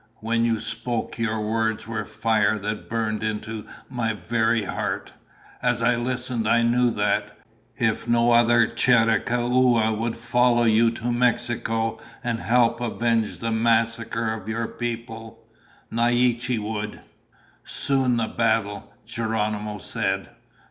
"When you spoke, your words were fire that burned into my very heart. As I listened I knew that, if no other Chiricahua would follow you to Mexico and help avenge the massacre of your people, Naiche would." "Soon the battle," Geronimo said.